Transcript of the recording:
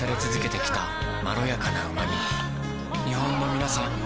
日本のみなさん